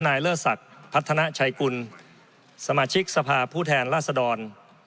เลิศศักดิ์พัฒนาชัยกุลสมาชิกสภาพผู้แทนราษดร